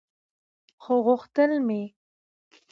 خو غوښتل مې